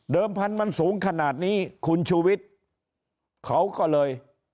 พันธุ์มันสูงขนาดนี้คุณชูวิทย์เขาก็เลย